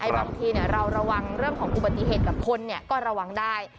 บางทีเราระวังเรื่องของอุบัติเหตุกับคนก็ระวังได้